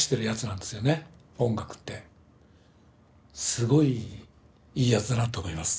すごいいいやつだなと思います。